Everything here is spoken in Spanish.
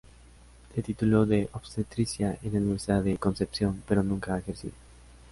Se tituló de obstetricia en la Universidad de Concepción, pero nunca ha ejercido.